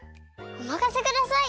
おまかせください！